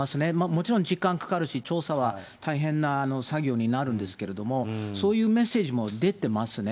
もちろん時間かかるし、調査は大変な作業になるんですけれども、そういうメッセージも出てますね。